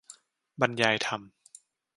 บรรยายธรรม